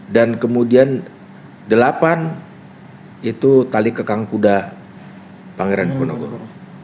dan kemudian delapan itu tali kekang kuda pangeran puponegoro